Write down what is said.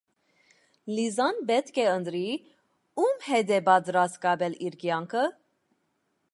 Լիզան պետք է ընտրի՝ ո՞ւմ հետ է պատրաստ կապել իր կյանքը։